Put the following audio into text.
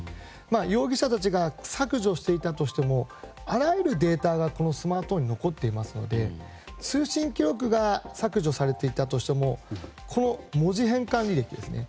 容疑者たちが削除していたとしてもあらゆるデータがこのスマートフォンに残っていますので、通信記録が削除されていたとしてもこの文字変換履歴ですね。